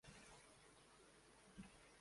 Més endavant van obrir Cranbourne Inn.